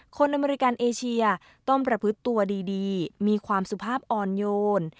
อเมริกันเอเชียต้องประพฤติตัวดีมีความสุภาพอ่อนโยน